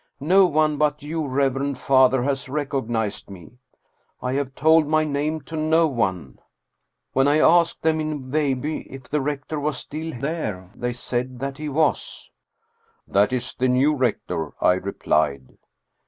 No one but you, reverend father, has recognized me. I have told my name to no one. When I asked them in Veilbye if the rector was still there, they said that he was." " That is the new rector," I replied.